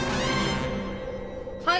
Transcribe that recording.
はい！